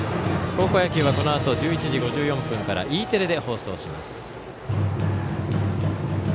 高校野球はこのあと１１時５４分からＥテレで放送します。